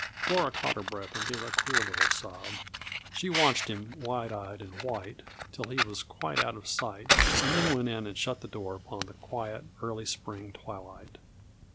Flora caught her breath and gave a queer little sob. She watched him, wide eyed and white, till he was quite out of sight and then went in and shut the door upon the quiet, early spring twilight.